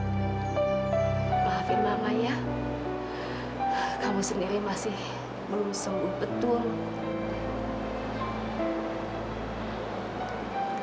sampai jumpa di video selanjutnya